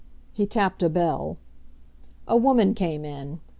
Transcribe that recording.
He tapped a bell. A woman came in.